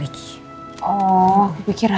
bayangkan ni udah berhasil turut